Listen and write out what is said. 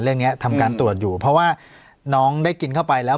เนี้ยทำการตรวจอยู่เพราะว่าน้องได้กินเข้าไปแล้ว